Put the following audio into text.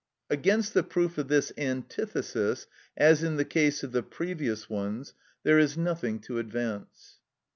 Against the proof of this antithesis, as in the case of the previous ones, there is nothing to advance.